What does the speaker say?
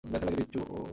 ব্যথা লাগে, পিচ্চু।